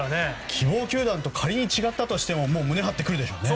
希望球団と仮に違ったとしても胸張ってくるでしょうね。